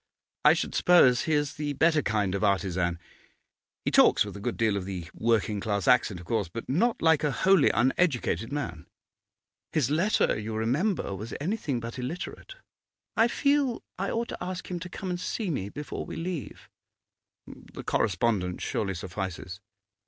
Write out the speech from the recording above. I should suppose he is the better kind of artisan. He talks with a good deal of the working class accent, of course, but not like a wholly uneducated man.' 'His letter, you remember, was anything but illiterate. I feel I ought to ask him to come and see me before we leave.' 'The correspondence surely suffices.